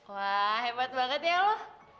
wah hebat banget ya lo